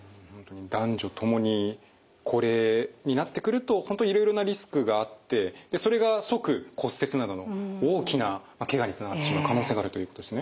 男女ともに高齢になってくると本当いろいろなリスクがあってそれが即骨折などの大きなケガにつながってしまう可能性があるということですね。